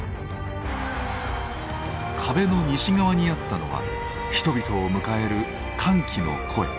壁の西側にあったのは人々を迎える歓喜の声。